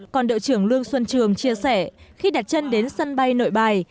còn đội trưởng lương xuân trường chia sẻ khi đặt chân đến sân bay nội bài